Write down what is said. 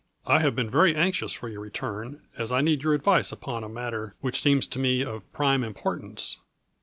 I have been very anxious for your return, as I need your advice upon a matter which seems to me of prime importance.